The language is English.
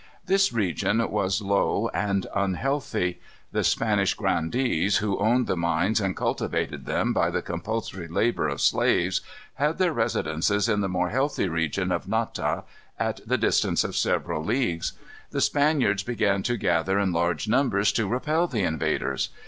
This region was low and unhealthy. The Spanish grandees, who owned the mines and cultivated them by the compulsory labor of slaves, had their residences in the more healthy region of Nata, at the distance of several leagues. The Spaniards began to gather in large numbers to repel the invaders.